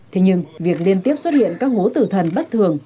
thế nhưng việc liên tiếp xuất hiện các hố tử thần bất thường